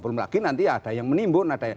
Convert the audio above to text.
belum lagi nanti ada yang menimbun